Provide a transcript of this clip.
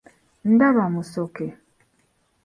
Ndaba Musoke.